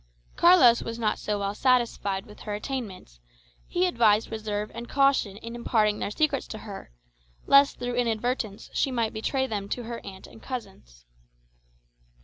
Carlos was not so well satisfied with her attainments; he advised reserve and caution in imparting their secrets to her, lest through inadvertence she might betray them to her aunt and cousins.